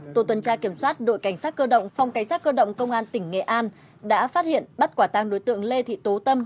tổ tuần tra kiểm soát đội cảnh sát cơ động phòng cảnh sát cơ động công an tỉnh nghệ an đã phát hiện bắt quả tăng đối tượng lê thị tố tâm